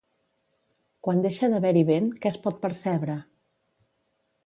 Quan deixa d'haver-hi vent, què es pot percebre?